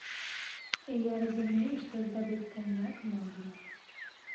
Я разумею, што здабыць каньяк можна.